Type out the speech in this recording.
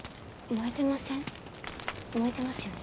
燃えてますよね。